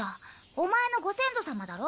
オマエのご先祖様だろ。